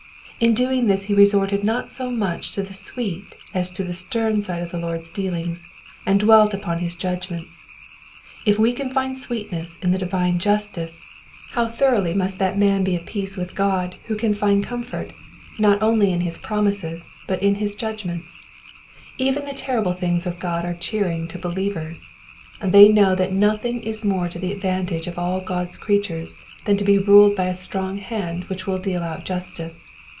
In doing this he resorted not so much to the sweet as to the stern side of the Lord's dealings, and dwelt upon his judgments. If we can find sweetness in the divine justice, how much more shall we perceive it in divine Digitized by VjOOQIC 132 EXPOSITIONS OF THE PSALMS. love and grace. How thoroughly must that man be at peace with God who can lind comfort, not only in his promises, but in his judgments. Even the terrible things of God are cheering to believers. They know that nothing is more to the advantage of all God^s creatures than to be ruled by a strong hand which will deal out justice.